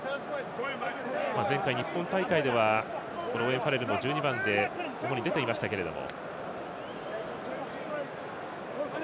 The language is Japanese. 前回、日本大会ではオーウェン・ファレルも１２番でともに出ていましたけれども。